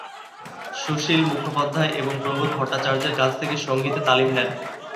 সুশীল মুখোপাধ্যায় এবং প্রবোধ ভট্টাচার্যের কাছ থেকে সঙ্গীতে তালিম নেন।